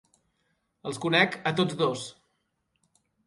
Els conec a tots dos.